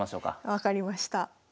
分かりました。